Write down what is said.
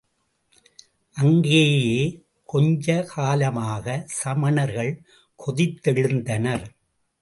அங்கேயே கொஞ்சகாலமாக, சமணர்கள் கொதித்தெழுந்தனர்.